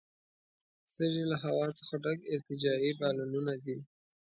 سږي له هوا څخه ډک ارتجاعي بالونونه دي.